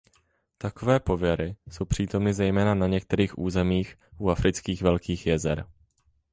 Takové pověry jsou přítomny zejména na některých územích u Afrických Velkých Jezer.